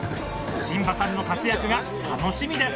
慎絆さんの活躍が楽しみです。